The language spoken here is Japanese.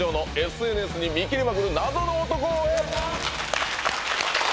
「ＳＮＳに見切れまくる謎の男を追え！」